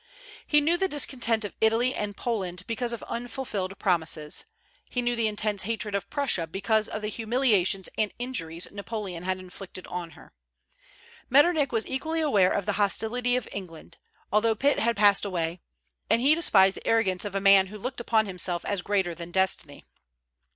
He knew the discontent of Italy and Poland because of unfulfilled promises. He knew the intense hatred of Prussia because of the humiliations and injuries Napoleon had inflicted on her. Metternich was equally aware of the hostility of England, although Pitt had passed away; and he despised the arrogance of a man who looked upon himself as greater than destiny.